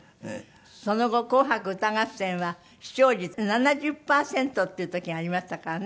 その後『紅白歌合戦』は視聴率７０パーセントっていう時がありましたからね。